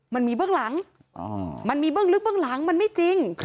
มันมีเบื้องหลังมันมีเบื้องลึกเบื้องหลังมันไม่จริง